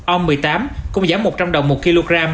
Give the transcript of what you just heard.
ôm một mươi tám cũng giá một trăm linh đồng một kg